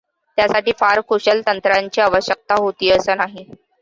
त्यासाठी फार कुशल तंत्रज्ञांची आवश्यकता होती असंं नाही.